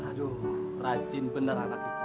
aduh rajin bener anak kita